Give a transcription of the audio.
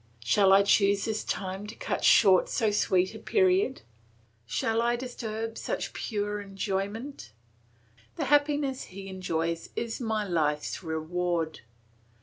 Shall I choose this time to cut short so sweet a period? Shall I disturb such pure enjoyment? The happiness he enjoys is my life's reward.